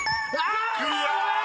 ［クリア！］